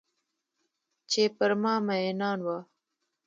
چې پر ما میینان وه